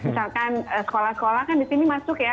misalkan sekolah sekolah kan disini masuk ya